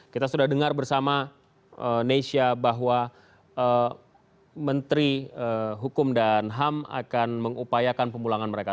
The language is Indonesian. kita sudah dengar bersama nesya bahwa menteri hukum dan ham akan mengupayakan pemulangan mereka